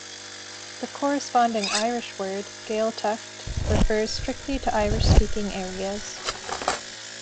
The corresponding Irish word "Gaeltacht" refers strictly to Irish-speaking areas.